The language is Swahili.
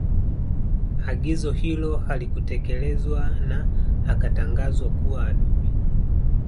Agizo hilo halikutekelezwa na Akatangazwa kuwa adui